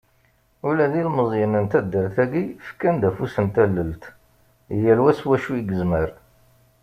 Ula d ilmeẓyen n taddart-agi, fkan-d afus n tallelt, yal wa s wacu i yezmer.